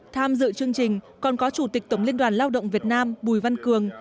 tham dự chương trình còn có chủ tịch tổng liên đoàn lao động việt nam bùi văn cường